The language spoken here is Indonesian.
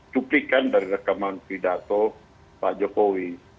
cuplikan dari rekaman pidato pak jokowi